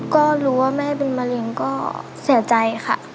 ก็รู้ว่าแม่เป็นมะเร็งก็เสียใจค่ะ